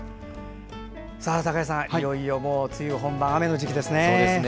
高井さん、いよいよ梅雨本番、雨の時期ですね。